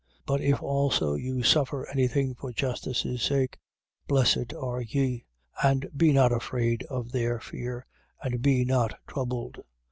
3:14. But if also you suffer any thing for justice' sake, blessed are ye. And be not afraid of their fear: and be not troubled.